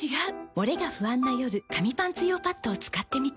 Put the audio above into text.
モレが不安な夜紙パンツ用パッドを使ってみた。